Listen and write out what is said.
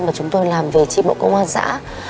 mà chúng tôi làm về tri bộ công an xã